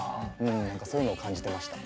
そういうのを感じてました。